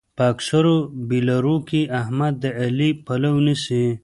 په اکثرو بېلبرو کې احمد د علي پلو نيسي.